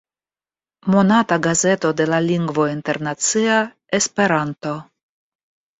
Monata gazeto de la lingvo internacia 'Esperanto"'.